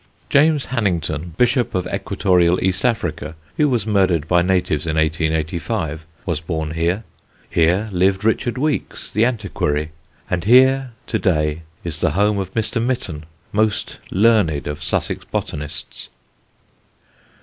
James Hannington, Bishop of Equatorial East Africa, who was murdered by natives in 1885, was born here; here lived Richard Weeks, the antiquary; and here to day is the home of Mr. Mitten, most learned of Sussex botanists.